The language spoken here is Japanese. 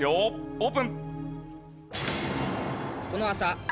オープン！